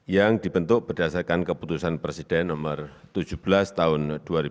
yang dibentuk berdasarkan keputusan presiden nomor tujuh belas tahun dua ribu dua